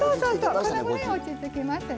このぐらい落ち着きますね。